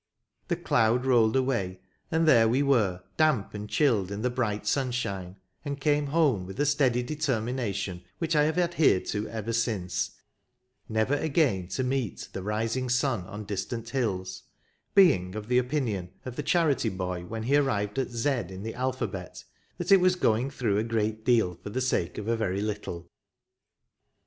The cloud rolled away, and there we were damp and chilled in the bright sunshine, and came home with a steady deter mination, which I have adhered to ever since, never again to meet the rising sun on distant hills, being of the opinion of the charity boy when he arrived at Z in the alphabet, that " it was going through a great deal for the sake of a very little."